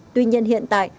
tuy nhiên hiện tại